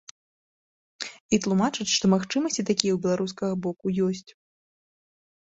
І тлумачыць, што магчымасці такія ў беларускага боку ёсць.